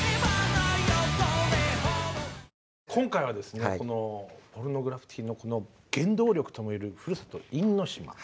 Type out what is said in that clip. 今回はですねポルノグラフィティのこの原動力とも言えるふるさと因島。